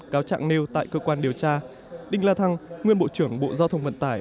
cáo trạng nêu tại cơ quan điều tra đinh la thăng nguyên bộ trưởng bộ giao thông vận tải